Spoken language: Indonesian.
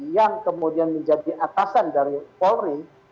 yang kemudian menjadi atasan dari polri